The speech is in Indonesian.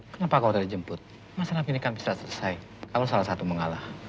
kenapa kau terjemput masalah ini kan bisa selesai kalau salah satu mengalah